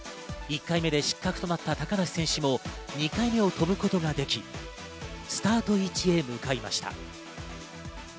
１回目で失格となった高梨選手も２回目を飛ぶことができ、スタート位置へ向かいました。